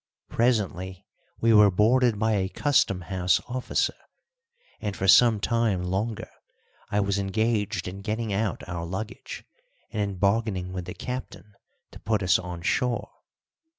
Presently we were boarded by a Custom House officer, and for some time longer I was engaged in getting out our luggage and in bargaining with the captain to put us on shore.